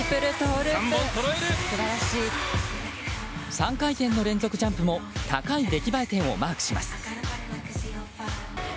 ３回転の連続ジャンプも高い出来栄え点をマークします。